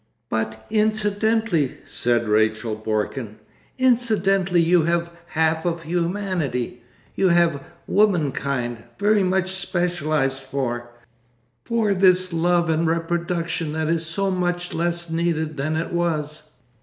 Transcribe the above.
'But incidentally,' said Rachel Borken; 'incidentally you have half of humanity, you have womankind, very much specialised for—for this love and reproduction that is so much less needed than it was.